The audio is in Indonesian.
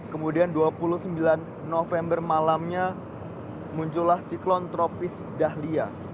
kemudian dua puluh sembilan november malamnya muncullah siklon tropis dahlia